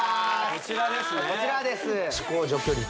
こちらです